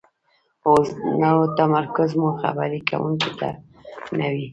اوسو نو تمرکز مو خبرې کوونکي ته نه وي،